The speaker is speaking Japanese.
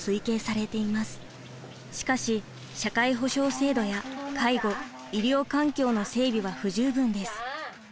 しかし社会保障制度や介護医療環境の整備は不十分です。